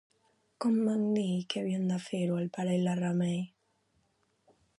Com van dir que havien de fer-ho el pare i la Remei?